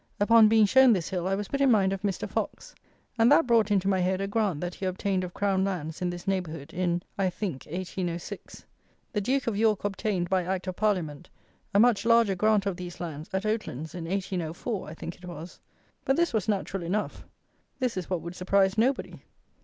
Upon being shown this hill I was put in mind of Mr. Fox; and that brought into my head a grant that he obtained of Crown lands in this neighbourhood, in, I think, 1806. The Duke of York obtained, by Act of Parliament, a much larger grant of these lands, at Oatlands, in 1804, I think it was. But this was natural enough; this is what would surprise nobody.